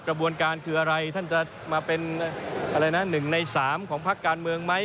กระบวนการคืออะไรท่านจะมาเป็นอะไรนะ๑ใน๓ของพักการเมืองไหม